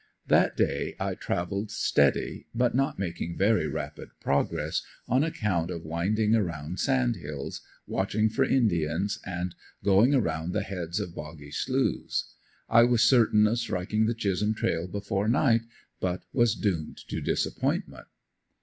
That day I traveled steady, but not making very rapid progress, on account of winding around sand hills, watching for indians and going around the heads of boggy sloughs. I was certain of striking the Chisholm trail before night, but was doomed to disappointment.